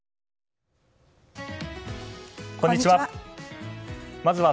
こんにちは。